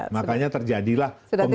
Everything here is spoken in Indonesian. makanya terjadilah pengurangan